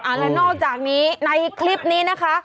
แล้วนอกจากนี้ในคลิปนี้นะคะ